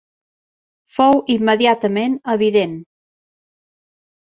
Fou immediatament evident.